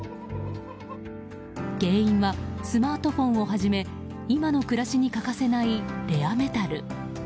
原因はスマートフォンをはじめ今の暮らしに欠かせないレアメタル。